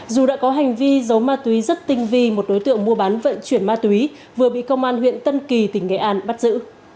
dù đã có hành vi giấu ma túy rất tinh vi một đối tượng mua bán vận chuyển ma túy vừa bị công an huyện tân kỳ tỉnh nghệ an bắt giữ